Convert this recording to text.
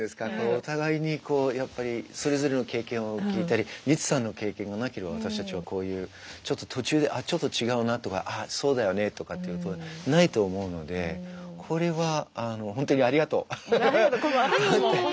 お互いにこうやっぱりそれぞれの経験を聞いたりリツさんの経験がなければ私たちはこういうちょっと途中であっちょっと違うなとかあっそうだよねとかっていうことないと思うのでこれはあのいえいえ。